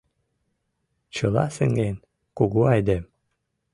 Чыла сеҥен кугу айдем.